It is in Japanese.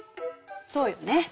そうよね。